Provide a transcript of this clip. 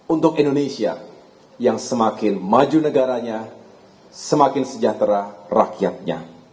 untuk indonesia yang semakin maju negaranya semakin sejahtera rakyatnya